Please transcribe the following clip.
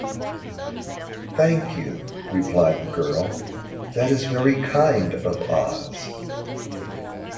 "Thank you," replied the girl; "that is very kind of Oz."